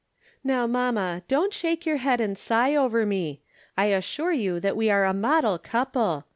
Now, mamma, don't shake your head and sigh over me. I assure you that we are a model couple.